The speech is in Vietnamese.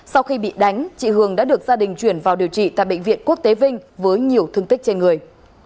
sau khi bị đánh chị hường đã được gia đình chuyển vào điều trị tại bệnh viện quốc tế vinh với nhiều thương tích trên người